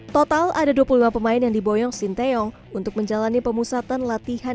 total ada dua puluh lima pemain yang diboyong sinteyong untuk menjalani pemusatan latihan